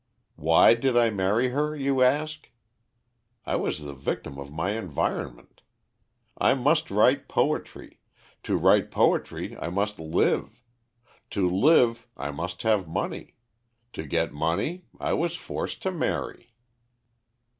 Why did I marry her, you ask? I was the victim of my environment. I must write poetry; to write poetry, I must live; to live, I must have money; to get money, I was forced to marry.